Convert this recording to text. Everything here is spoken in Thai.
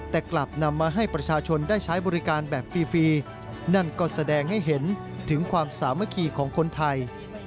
แต่กลับนำมาให้ประชาชนได้ใช้บริการแบบฟรีนั่นก็แสดงให้เห็นถึงความสามัคคีของคนไทย